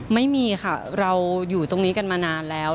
ไม่มีค่ะเราอยู่ตรงนี้กันมานานแล้ว